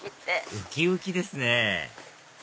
ウキウキですね！